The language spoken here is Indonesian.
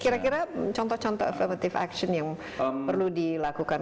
kira kira contoh contoh afirmative action yang perlu dilakukan